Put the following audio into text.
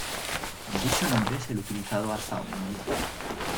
Dicho nombre es el utilizado hasta hoy en día.